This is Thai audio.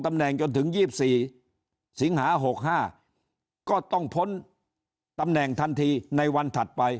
ตำแหน่งจนถึง๒๔สิงหา๖๕ก็ต้องพ้นตำแหน่งทันทีในวันถัดไป